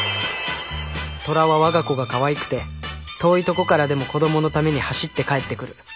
虎は我が子がかわいくて遠いとこからでも子どものために走って帰ってくる。